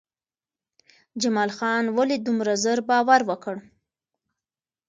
جمال خان ولې دومره زر باور وکړ؟